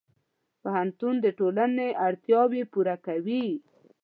پوهنتون د ټولنې اړتیاوې پوره کوي.